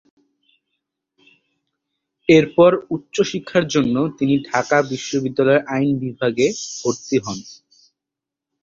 এরপর উচ্চ শিক্ষার জন্য তিনি ঢাকা বিশ্ববিদ্যালয়ের আইন বিভাগে ভর্তি হন।